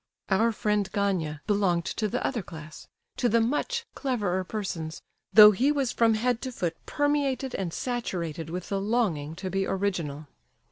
Our friend, Gania, belonged to the other class—to the "much cleverer" persons, though he was from head to foot permeated and saturated with the longing to be original.